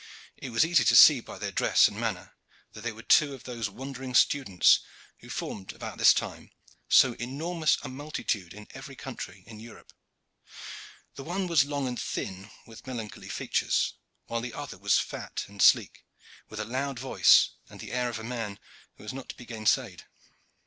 It was easy to see by their dress and manner that they were two of those wandering students who formed about this time so enormous a multitude in every country in Europe. The one was long and thin, with melancholy features, while the other was fat and sleek, with a loud voice and the air of a man who is not to be gainsaid.